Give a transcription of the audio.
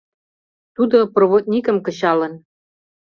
Тудо проводникын кычалын.